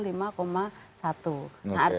nah artinya kan kalau